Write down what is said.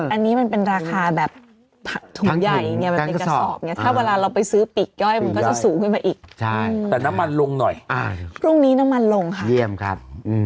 อันนี้มันเป็นราคาแบบถุงใหญ่เนี่ยมันเป็นกระสอบเนี่ยถ้าเวลาเราไปซื้อปีกย่อยมันก็จะสูงขึ้นมาอีกแต่น้ำมันลงหน่อยพรุ่งนี้น้ำมันลงค่ะเยี่ยมครับ